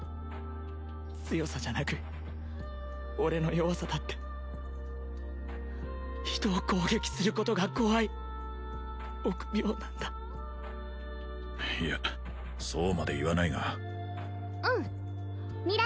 強さじゃなく俺の弱さだって人を攻撃することが怖い臆病なんだいやそうまで言わないがうん明日